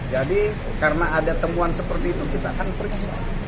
jadi karena ada temuan seperti itu kita akan periksa